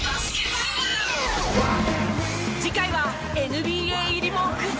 次回はＮＢＡ入り目前